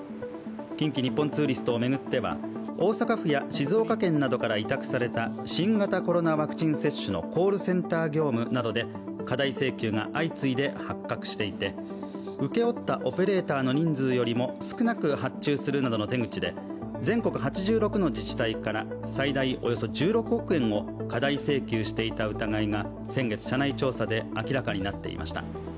近畿日本ツーリストを巡っては大阪府や静岡県などから委託された新型コロナウイルス接種のコールセンター業務で過大請求が相次いで発覚していて、請け負ったオペレーターの人数よりも少なく発注するなどの手口で全国８６の自治体から最大およそ１６億円を過大請求していた疑いが先月、社内調査で明らかになっていました。